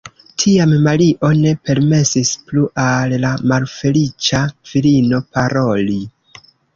Tiam Mario ne permesis plu al la malfeliĉa virino paroli.